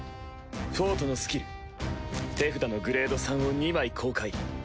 フォートのスキル手札のグレード３を２枚公開。